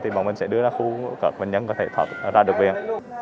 thì bọn mình sẽ đưa ra khu các bệnh nhân có thể thoát ra được viện